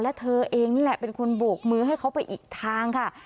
และเธอเองนี่แหละเป็นคนโบกมือให้เขาไปอีกทางค่ะ